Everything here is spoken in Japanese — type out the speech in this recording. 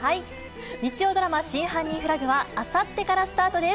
日曜ドラマ、真犯人フラグは、あさってからスタートです。